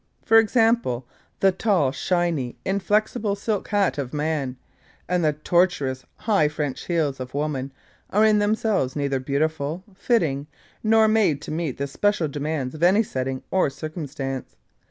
For example, the tall, shiny, inflexible silk hat of man, and the tortuous high French heels of woman are in themselves neither beautiful, fitting, nor made to meet the special demands of any setting or circumstance.